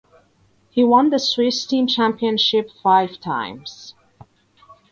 He won the Swiss team championship five times.